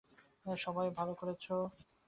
সবাই ভালো করেছো।